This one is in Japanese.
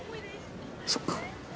そっか。